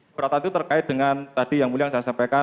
keberatan itu terkait dengan tadi yang mulia yang saya sampaikan